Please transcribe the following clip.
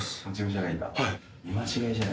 はい。